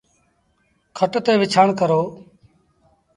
کٽ تي وڇآݩ ڪرو۔